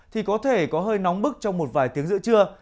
thì có thể có hơi nóng bức trong một vài tiếng giữa trưa